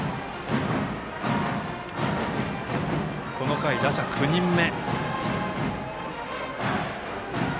この回、打者９人目。